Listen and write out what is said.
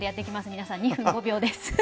皆さん２分５秒です。